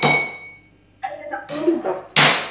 أين تقطن بالضّبط؟